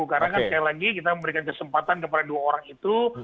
karena kan sekali lagi kita memberikan kesempatan kepada dua orang itu